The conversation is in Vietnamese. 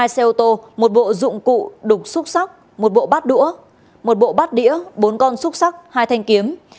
hai xe ô tô một bộ dụng cụ đục xúc xắc một bộ bắt đũa một bộ bắt đĩa bốn con xúc xắc hai thanh kiếm